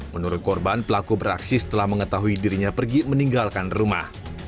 menurut korban pelaku beraksi setelah mengetahui dirinya pergi meninggalkan rumah